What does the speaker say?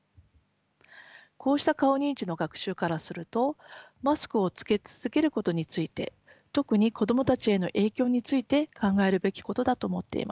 こうした顔認知の学習からするとマスクを着け続けることについて特に子供たちへの影響について考えるべきことだと思っています。